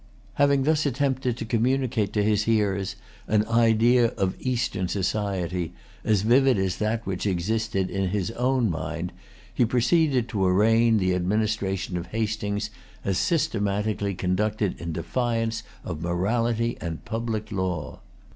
Having thus attempted to communicate to his hearers an idea of Eastern society, as vivid as that which existed in his own mind, he proceeded to arraign the administration of Hastings as systematically conducted in defiance of morality and public law.